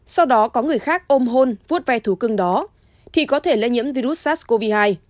sau đó có người khác ôm hôn vút ve thú cưng đó thì có thể lây nhiễm virus sars cov hai